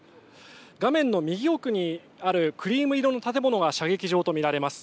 画面の右奥にあるクリーム色の建物が射撃場と見られます。